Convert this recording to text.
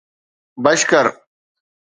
بشڪر